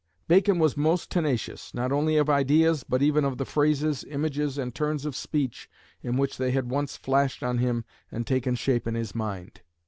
Bacon was most tenacious, not only of ideas, but even of the phrases, images, and turns of speech in which they had once flashed on him and taken shape in his mind.